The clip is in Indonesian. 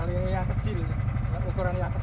ini yang kecil